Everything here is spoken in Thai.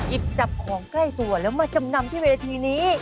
หยิบจับของใกล้ตัวแล้วมาจำนำที่เวทีนี้